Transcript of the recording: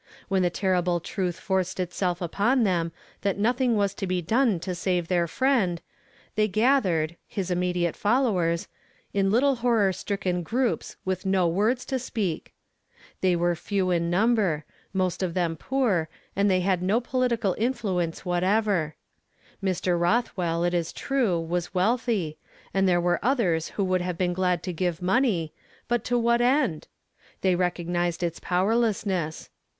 When the terrible truth forced itself upon them that nothing was to be done to save their friend, they gathered, his im immediate followers, in little horror stricken groups with no words to speak. They were few in number, mt.^fc of them poor, and they had no pohtical intiuence whatever. Mr. Rothwell, it is ^true, was wealthy, and there were othere who would have been glad to give money, but to what end? They recognized its powerlessness.